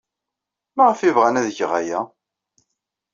Maɣef ay bɣan ad geɣ aya?